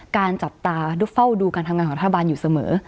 จับตาเฝ้าดูการทำงานของรัฐบาลอยู่เสมอ